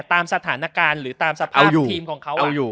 ตามสถานการณ์หรือตามสภาพทีมของเขา